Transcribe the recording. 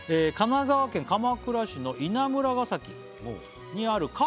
「神奈川県鎌倉市の稲村ヶ崎にある」